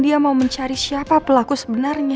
dia mau mencari siapa pelaku sebenarnya